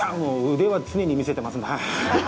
腕は常に見せてます。